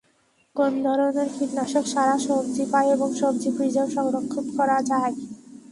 কোন ধরনের কীটনাশক ছাড়া সবজী পাই এবং সবজি ফ্রিজেও সংরক্ষণ করা যায়।